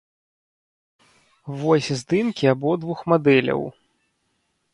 Вось здымкі абодвух мадэляў.